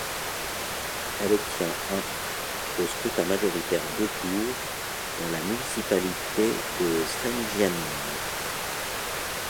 Elle obtient un au scrutin majoritaire à deux tours dans la municipalité de Zrenjanin.